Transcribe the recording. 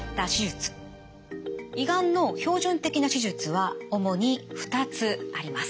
胃がんの標準的な手術は主に２つあります。